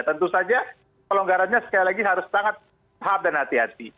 tentu saja pelonggarannya sekali lagi harus sangat dan hati hati